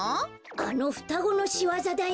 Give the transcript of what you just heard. あのふたごのしわざだよ！